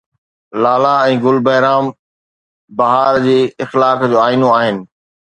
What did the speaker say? لالا ۽ گل بهرام بهار جي اخلاق جو آئينو آهن